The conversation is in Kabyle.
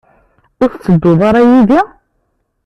Ur tettedduḍ ara yid-i?